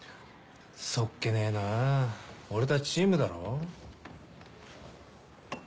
素っ気ねえなぁ俺たちチームだろ。